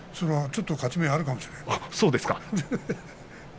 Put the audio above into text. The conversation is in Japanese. ちょっと勝ち目があるかもしれない。